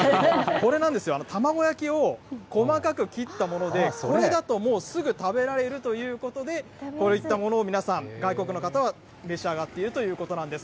これなんですよ、玉子焼きを細かく切ったもので、これだともうすぐ食べられるということで、こういったものを皆さん、外国の方は召し上がっているということなんです。